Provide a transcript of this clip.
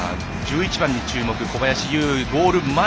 １１番に注目、小林悠ゴール前。